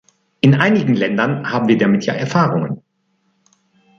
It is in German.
In einigen Ländern haben wir damit ja Erfahrungen.